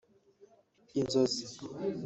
Inzozi